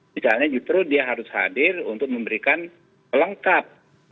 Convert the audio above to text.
misalnya justru dia harus hadir untuk memberikan pelengkap